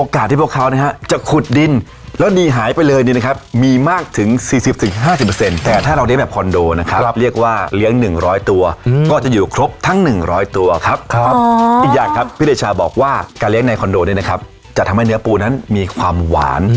การเลี้ยงในคอนโดเนี้ยนะครับจะทำให้เนื้อปูนั้นมีความหวาน